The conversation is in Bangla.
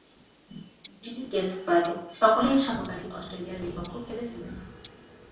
বিলি বেটস বাদে সকলেই সফরকারী অস্ট্রেলিয়ার বিপক্ষ খেলেছিলেন।